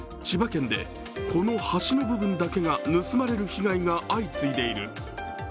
千葉県で、この端の部分だけが盗まれる被害が相次いでいる。